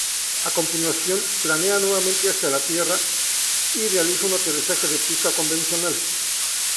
A continuación, planea nuevamente hacia la Tierra y realiza un aterrizaje de pista convencional.